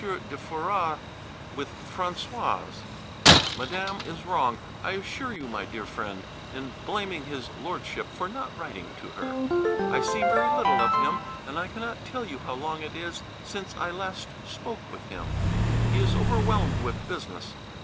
de Foras with Françoise. Madame is wrong, I assure you, my dear friend, in blaming his Lordship[B] for not writing to her. I see very little of him, and I cannot tell you how long it is since I last spoke with him: he is overwhelmed with business.